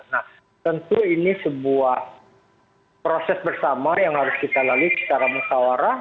nah tentu ini sebuah proses bersama yang harus kita lalui secara musawarah